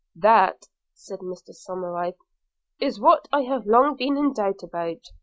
'That,' said Somerive, 'is what I have long been in doubt about.